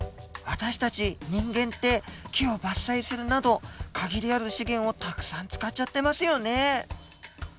私たち人間って木を伐採するなど限りある資源をたくさん使っちゃってますよね。